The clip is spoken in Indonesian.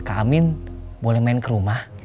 ke amin boleh main ke rumah